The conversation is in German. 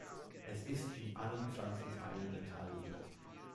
Es ist in allen Pflanzenteilen enthalten.